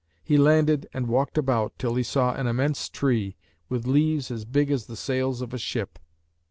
He landed and walked about, till he saw an immense tree, with leaves as big as the sails of a ship.